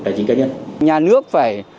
tài chính cá nhân nhà nước phải